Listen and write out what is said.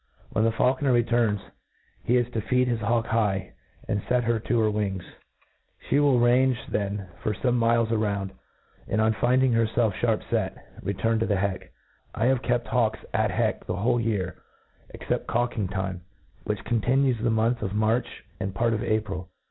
When the faulconer returns, he is to feed his hawk high, and fet her to her wings. She will range then for fome miles around, and, on find ing herfelf fliarp fet, return to the heck. I have kept hawks at heck the whole year, except cawk jng time, which contihues the month of March * and part of April.